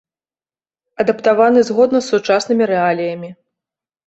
Адаптаваны згодна з сучаснымі рэаліямі.